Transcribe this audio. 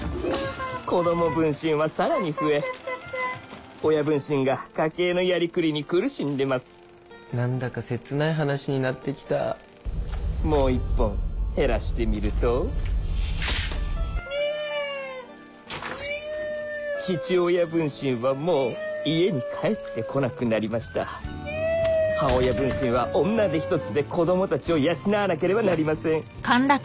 子供分身はさらに増え親分身が家計のやりくりに苦しんでますなんだか切ない話になってきたもう１本減らしてみると父親分身はもう家に帰ってこなくなりました母親分身は女手一つで子供たちを養わなければなりません